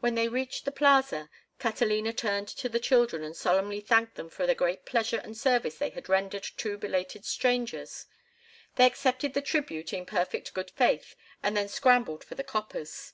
When they reached the plaza, Catalina turned to the children and solemnly thanked them for the great pleasure and service they had rendered two belated strangers. They accepted the tribute in perfect good faith and then scrambled for the coppers.